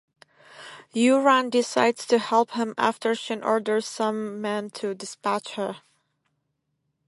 Yoo-ran decides to help him after Shin orders some men to dispatch her.